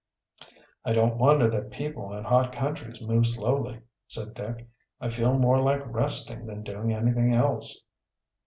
"I don't wonder that people in hot countries move slowly," said Dick. "I feel more like resting than doing anything else."